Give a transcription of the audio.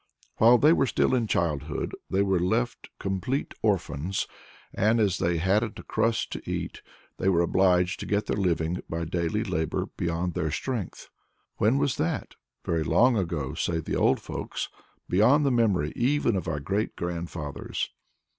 While they were still in childhood they were left complete orphans, and, as they hadn't a crust to eat, they were obliged to get their living by daily labor beyond their strength. "When was that?" Very long ago, say the old folks; beyond the memory even of our great grandfathers.